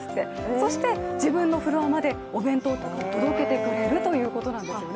そして、自分のフロアまでお弁当を届けてくれるということなんですね。